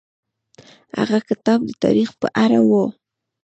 هغه کتاب د تاریخ په اړه و.